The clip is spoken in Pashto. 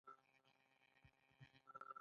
آیا د پیرودونکو زیاتوالی د ګرانښت علت کیدای شي؟